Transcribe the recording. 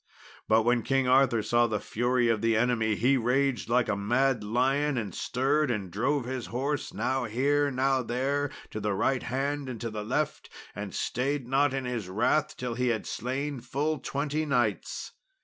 But when King Arthur saw the fury of the enemy, he raged like a mad lion, and stirred and drove his horse now here, now there, to the right hand and to the left, and stayed not in his wrath till he had slain full twenty knights.